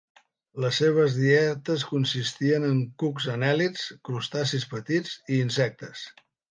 Les seves dietes consistien en cucs anèl·lids, crustacis petits i insectes.